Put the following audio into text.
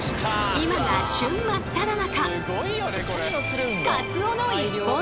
今が旬真っただ中！